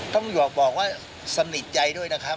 ต้องบอกว่าสนิทใจด้วยนะครับ